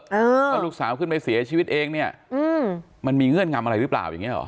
ว่าลูกสาวขึ้นไปเสียชีวิตเองเนี่ยอืมมันมีเงื่อนงำอะไรหรือเปล่าอย่างเงี้หรอ